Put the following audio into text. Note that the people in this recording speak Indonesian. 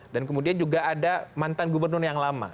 dan kemudian juga ada mantan gubernurnya yang lama